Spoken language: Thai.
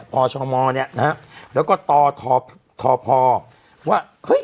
พหมพพ